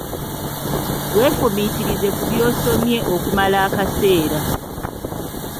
Weefumiitirize ku by'osomye okumala akaseera.